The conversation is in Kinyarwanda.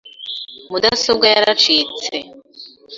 Mudasobwa yaracitse .